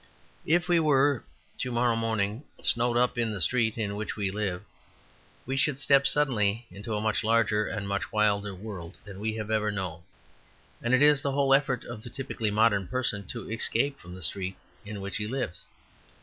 If we were to morrow morning snowed up in the street in which we live, we should step suddenly into a much larger and much wilder world than we have ever known. And it is the whole effort of the typically modern person to escape from the street in which he lives.